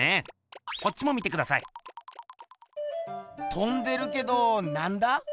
とんでるけどなんだ？